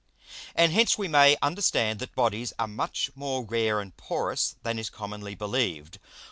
And hence we may understand that Bodies are much more rare and porous than is commonly believed.